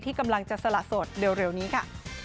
กำลังจะสละสดเร็วนี้ค่ะ